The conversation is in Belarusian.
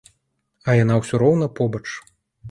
А яна ўсё роўна побач.